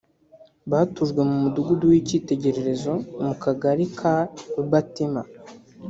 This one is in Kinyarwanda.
batujwe mu mudugudu w’ikitegererezo mu kagari ka Batima